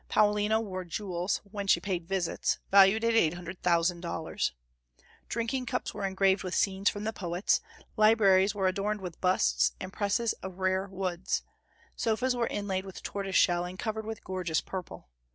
Paulina wore jewels, when she paid visits, valued at $800,000. Drinking cups were engraved with scenes from the poets; libraries were adorned with busts, and presses of rare woods; sofas were inlaid with tortoise shell, and covered with gorgeous purple.